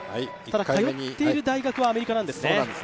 通っている大学はアメリカなんですね。